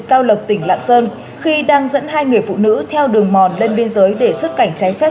cao lộc tỉnh lạng sơn khi đang dẫn hai người phụ nữ theo đường mòn lên biên giới để xuất cảnh trái phép